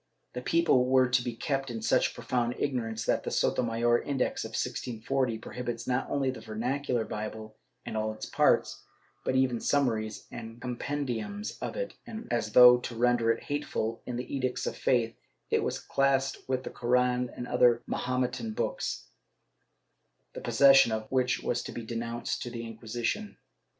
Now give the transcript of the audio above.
^ The people were to be kept in such profound ignorance that the Sotomayor Index of 1640 prohibits, not only the vernac ular Bible and all its parts, but even summaries and compendiums of it and, as though to render it hateful, in the Edicts of Faith, it was classed with the Koran and other Mahometan books, the possession of which was to be denounced to the Inquisition.